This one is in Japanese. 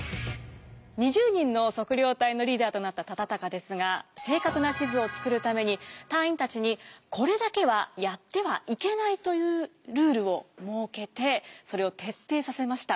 ２０人の測量隊のリーダーとなった忠敬ですが正確な地図を作るために隊員たちにこれだけはやってはいけないというルールを設けてそれを徹底させました。